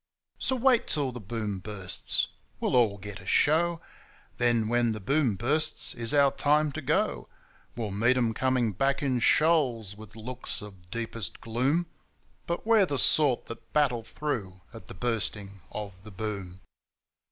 So wait till the Boom bursts! we'll all get a show: Then when the Boom bursts is our time to go. We'll meet 'em coming back in shoals, with looks of deepest gloom, But we're the sort that battle through at the Bursting of the Boom.